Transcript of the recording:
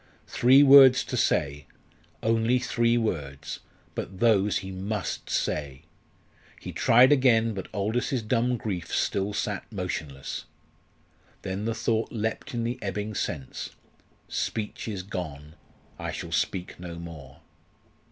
Three words to say only three words; but those he must say! He tried again, but Aldous's dumb grief still sat motionless. Then the thought leapt in the ebbing sense, "Speech is gone; I shall speak no more!"